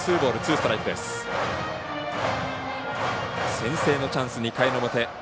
先制のチャンス、２回の表。